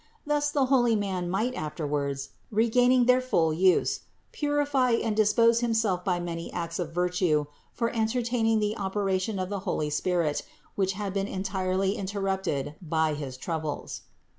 Thus the holy man might afterwards, regaining their full use, purify and dispose himself by many acts of virtue for entertaining the operation of the holy Spirit, which had been entirely interrupted by his troubles.